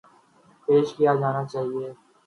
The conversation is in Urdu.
ﭘﯿﺶ ﮐﯿﺎ ﺟﺎﻧﺎ ﭼﺎﮬﯿﮯ